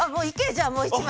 じゃあもう一枚。